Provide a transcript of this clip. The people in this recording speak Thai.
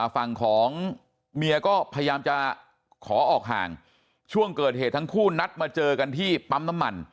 ฝั่งของเมียก็พยายามจะขอออกห่างช่วงเกิดเหตุทั้งคู่นัดมาเจอกันที่ปั๊มน้ำมัน